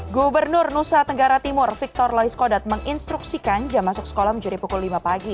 gubernur nusa tenggara timur victor laiskodat menginstruksikan jam masuk sekolah menjadi pukul lima pagi